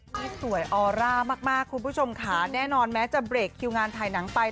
ถ้าสวยออร่ามากคุณผู้ชมค่ะแน่นอนแม้จะเบรกคิวงานถ่ายหนังไป